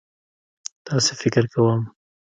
داسې فکر کوم.